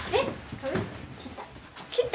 髪切った。